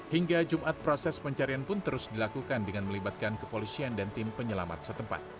hingga jumat proses pencarian pun terus dilakukan dengan melibatkan kepolisian dan tim penyelamat setempat